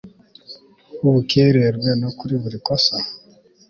w ubukererwe no kuri buri kosa